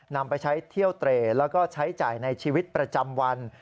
นำไปใช้เที่ยวเตรแล้วก็ใช้จ่ายในชีวิตประจำวัน